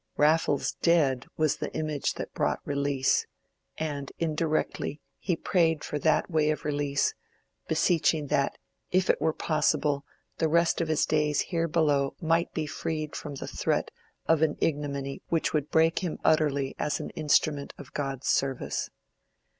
Raffles dead was the image that brought release, and indirectly he prayed for that way of release, beseeching that, if it were possible, the rest of his days here below might be freed from the threat of an ignominy which would break him utterly as an instrument of God's service.